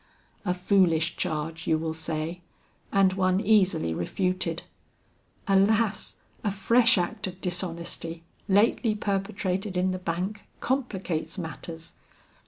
A foolish charge you will say, and one easily refuted. Alas, a fresh act of dishonesty lately perpetrated in the bank, complicates matters.